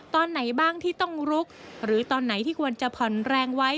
ตอนไหนบ้างที่ต้องลุกหรือตอนไหนที่ควรจะผ่อนแรงไว้